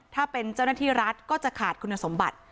ถ้าเป็นเจ้าหน้าที่รัฐก็จะขาดคุณสมบัติ